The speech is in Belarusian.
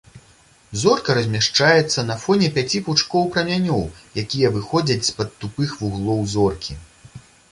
Зорка размяшчаецца на фоне пяці пучкоў прамянёў, якія выходзяць з-пад тупых вуглоў зоркі.